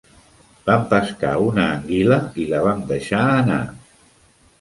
Vam pescar una anguila i la vam deixar anar.